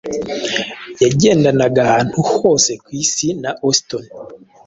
yagendanaga ahantu hose ku isi na Houston